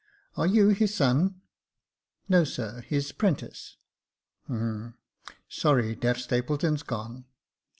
Are you his son ?"" No, sir, his 'prentice." " Humph ! sorry deaf Stapleton's gone."